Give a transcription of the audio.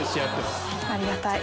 ありがたい。